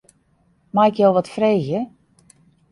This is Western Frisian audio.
Mei ik jo wat freegje?